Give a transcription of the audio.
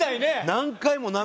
何回も涙